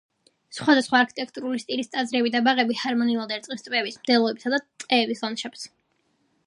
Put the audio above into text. სხვადასხვა არქიტექტურული სტილის ტაძრები და ბაღები ჰარმონიულად ერწყმის ტბების, მდელოების და ტყეების ლანდშაფტს.